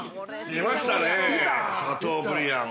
◆出ましたね、シャトーブリアン。